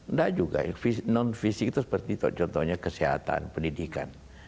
enggak juga non fisik itu seperti contohnya kesehatan pendidikan